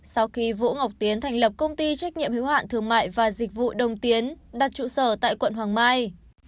sau khi vũ ngọc tiến thành lập công ty trách nhiệm hiếu hạn thương mại và dịch vụ đồng tiến đặt trụ sở tại quận hoàng mai